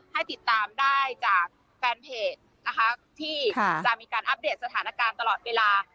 ให้ติดตามได้จากแฟนเพจนะคะที่จะมีการอัปเดตสถานการณ์ตลอดเวลา